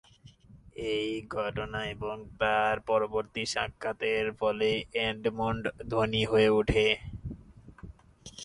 এই ঘটনা এবং তার পরবর্তী সাক্ষাতের ফলে, এডমন্ড ধনী হয়ে ওঠে।